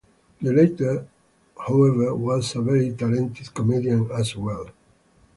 The latter, however, was a very talented comedian, as well.